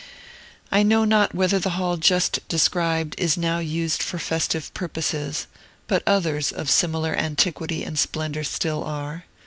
I know not whether the hall just described is now used for festive purposes, but others of similar antiquity and splendor still are.